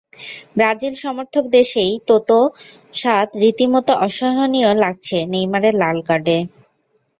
Brazil সমর্থকদের সেই তোতো স্বাদ রীতিমতো অসহনীয় লাগছে নেইমারের লাল কার্ডে।